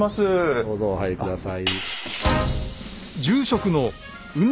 どうぞお入り下さい。